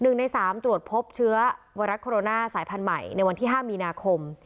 หนึ่งในสามตรวจพบเชื้อไวรัสโคโรนาสายพันธุ์ใหม่ในวันที่๕มีนาคม